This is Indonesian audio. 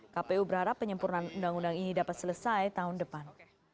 kpu berharap penyempurnaan undang undang ini dapat selesai tahun depan